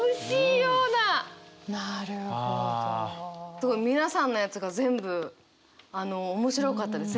すごい皆さんのやつが全部あの面白かったです。